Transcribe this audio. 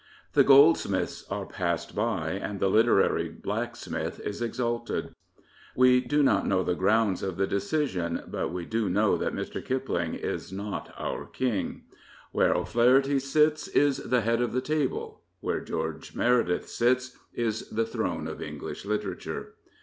The goldsmiths are passed by and the literary blacksmith is exalted. We do not know the grounds of the decision; but we do know that Mr. Kipling is not our King. " Where O'Flaherty sits is the head of the table." Where George Meredith sits is the throne of English literature.